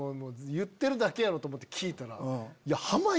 言ってるだけやろと思って聴いたら。